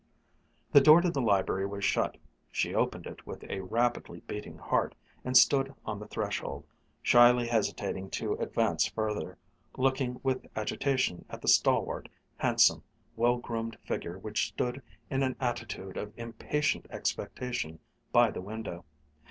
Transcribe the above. The door to the library was shut. She opened it with a rapidly beating heart and stood on the threshold, shyly hesitating to advance further, looking with agitation at the stalwart, handsome, well groomed figure which stood in an attitude of impatient expectation by the window.